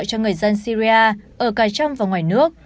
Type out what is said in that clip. cho người dân syria ở cả trong và ngoài nước